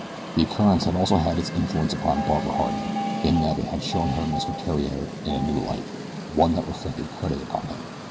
The occurrence had also had its influence upon Barbara Harding, in that it had shown her Mr. Theriere in a new light one that reflected credit upon him.